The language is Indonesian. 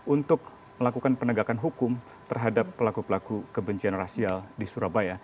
untuk melakukan penegakan hukum terhadap pelaku pelaku kebencian rasial di surabaya